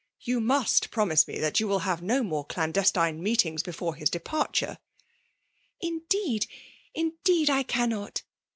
^ Yoa musi pro iftiae me that you wfll hav^e no more claodes tine meetmga before his depariorel ''Indeed — indeed I cannot